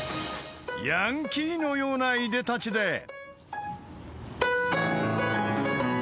［ヤンキーのようないでたちで］